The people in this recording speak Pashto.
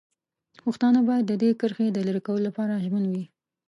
پښتانه باید د دې کرښې د لرې کولو لپاره ژمن وي.